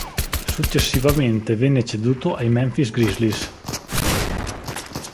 Successivamente venne ceduto ai Memphis Grizzlies.